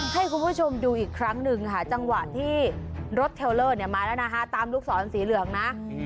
ให้คุณผู้ชมดูอีกครั้งหนึ่งค่ะจังหวะที่รถเทลเลอร์เนี่ยมาแล้วนะคะตามลูกศรสีเหลืองนะ